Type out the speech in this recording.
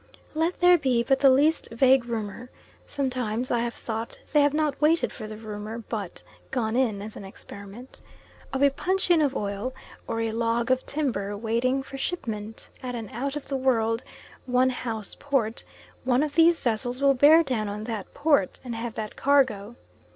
Let there be but the least vague rumour (sometimes I have thought they have not waited for the rumour, but "gone in" as an experiment) of a puncheon of oil, or a log of timber waiting for shipment at an out of the world, one house port, one of these vessels will bear down on that port, and have that cargo.